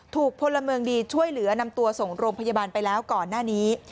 พลเมืองดีช่วยเหลือนำตัวส่งโรงพยาบาลไปแล้วก่อนหน้านี้